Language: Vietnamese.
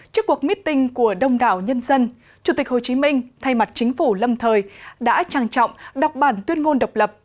chủ tịch hồ chí minh thay mặt chính phủ lâm thời đã trang trọng đọc bản tuyên ngôn độc lập